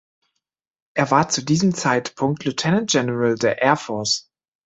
Er war zu diesem Zeitpunkt Lieutenant General der Air Force.